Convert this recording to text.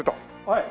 はい。